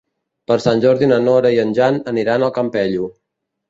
Per Sant Jordi na Nora i en Jan aniran al Campello.